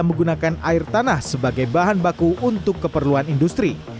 menggunakan air tanah sebagai bahan baku untuk keperluan industri